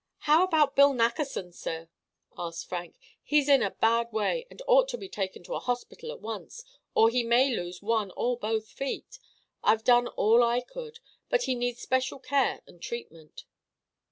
"How about Bill Nackerson, sir?" asked Frank. "He is in a bad way, and ought to be taken to a hospital at once or he may lose one or both feet. I've done all I could, but he needs special care and treatment."